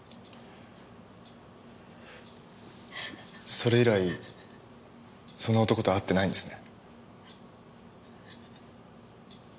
それ以来その男とは会ってないんですね？